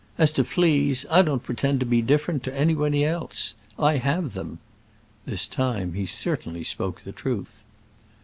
27 '* as to fleas, I don't pretend to be dif ferent to any one else —/ have themy This time he certainly spoke the truth.